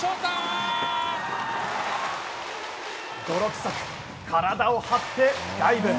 泥臭く、体を張ってダイブ。